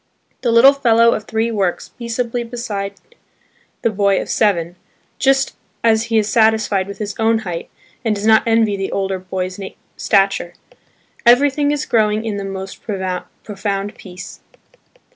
The little fellow of three works peaceably beside the boy of seven, just as he is satisfied with his own height and does not envy the older boy's stature. Everything is growing in the most profound peace.